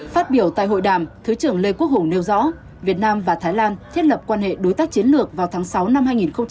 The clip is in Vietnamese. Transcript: phát biểu tại hội đàm thứ trưởng lê quốc hùng nêu rõ việt nam và thái lan thiết lập quan hệ đối tác chiến lược vào tháng sáu năm hai nghìn hai mươi ba